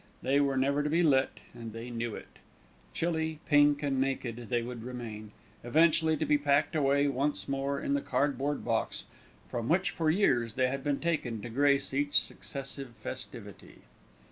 They were never to be lit and they knew it; chilly, pink and naked they would remain, eventually to be packed away once more in the cardboard box, from which for years they had been taken to grace each successive festivity.